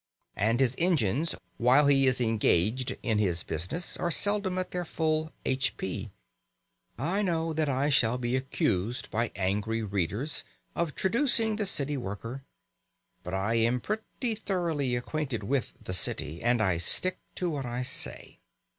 And his engines while he is engaged in his business are seldom at their full "h.p." (I know that I shall be accused by angry readers of traducing the city worker; but I am pretty thoroughly acquainted with the City, and I stick to what I say.)